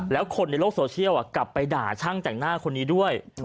แล้วคนในโลกโซเชียลกลับไปด่าช่างแต่งหน้าคนนี้ด้วย